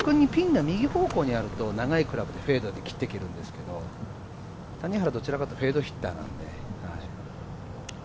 逆にピンが右方向にあると長いクラブでフェードで切っていけるんですけど、谷原はどちらかというとフェードヒッターなんで。